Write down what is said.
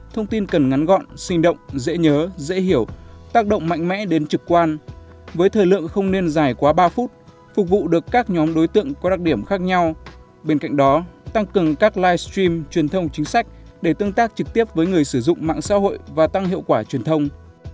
thông tin cần ngắn gọn sinh động dễ nhớ dễ hiểu tác động mạnh mẽ đến trực quan với thời lượng không nên dài quá ba phút phục vụ được các nhóm đối tượng có đặc điểm khác nhau bên cạnh đó tăng cường các livestream truyền thông chính sách để tương tác trực tiếp với người sử dụng mạng xã hội và tăng hiệu quả truyền thông